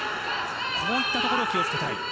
こういったところを気をつけたい。